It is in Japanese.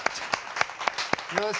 よし。